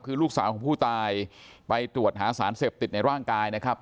คือลูกสาวของผู้ตายไปตรวจหาสารเสพติดในร่างกายนะครับ